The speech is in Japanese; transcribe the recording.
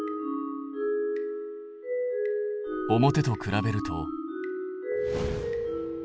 表と比べると。